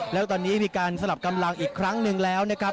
แล้วตอนนี้มีการสลับกำลังอีกครั้งหนึ่งแล้วนะครับ